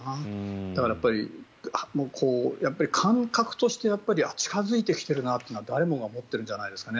だから、感覚として近付いてきているなっていうのは誰もが思っているんじゃないですかね。